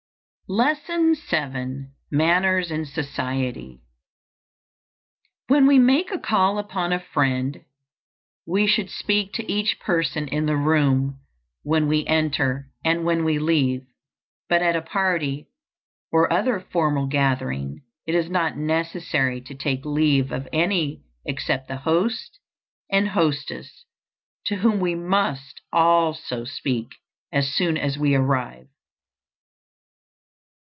_ LESSON VII. MANNERS IN SOCIETY. WHEN we make a call upon a friend, we should speak to each person in the room when we enter and when we leave, but at a party or other formal gathering it is not necessary to take leave of any except the host and hostess, to whom we must also speak as soon as we arrive.